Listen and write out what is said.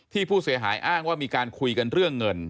ผู้เสียหายอ้างว่ามีการคุยกันเรื่องเงิน